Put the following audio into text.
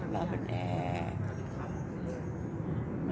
เราเป็นแอร์